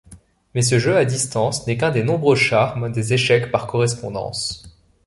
Mais ce jeu à distance n'est qu'un des nombreux charmes des échecs par correspondance.